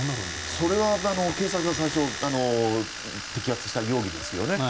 それは警察が最初摘発した容疑ですよね。